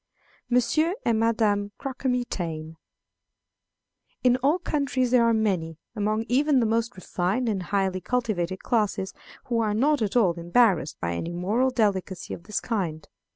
Monsieur and Madame Croquemitaine. In all countries there are many, among even the most refined and highly cultivated classes, who are not at all embarrassed by any moral delicacy of this kind.